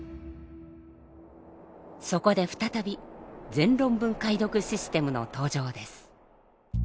そこで再び全論文解読システムの登場です。